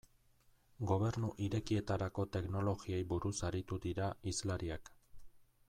Gobernu Irekietarako teknologiei buruz aritu dira hizlariak.